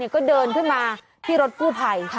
ก็เดินขึ้นมาที่รถกู้ภัย